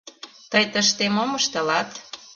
Тый тыште мом ыштылат?